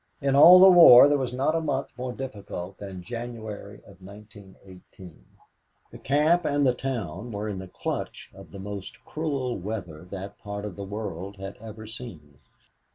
In all the war there was not a month more difficult than January of 1918. The camp and the town were in the clutch of the most cruel weather that part of the world had ever seen.